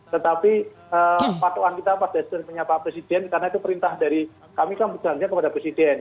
tetapi patuhan kita pak presiden karena itu perintah dari kami kami berjanjian kepada presiden